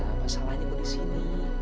masalahnya bu di sini